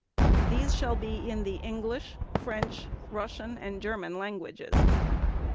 These shall be in the English, French, Russian, and German languages.